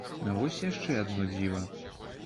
Вось яшчэ адно дзіва.